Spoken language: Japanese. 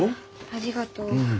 ありがとう。